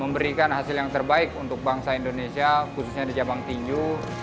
memberikan hasil yang terbaik untuk bangsa indonesia khususnya di cabang tinju